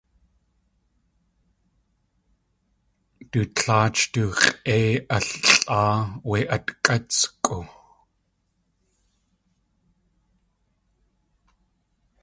Du tláach du x̲ʼéi allʼáa wé atkʼátskʼu.